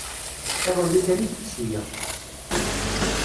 Iḍelli kan i d-tseyyeq.